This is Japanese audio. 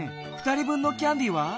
２人分のキャンディーは？